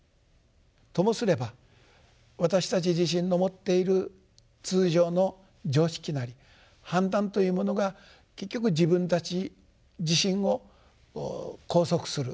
ともすれば私たち自身の持っている通常の常識なり判断というものが結局自分たち自身を拘束する。